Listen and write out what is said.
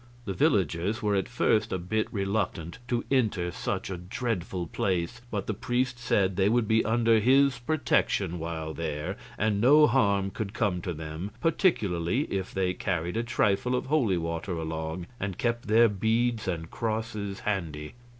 The villagers were at first a bit reluctant to enter such a dreadful place, but the priest said they would be under his protection while there, and no harm could come to them, particularly if they carried a trifle of holy water along and kept their beads and crosses handy.